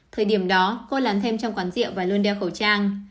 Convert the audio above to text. thời điểm đó cô làm thêm trong quán rượu và luôn đeo khẩu trang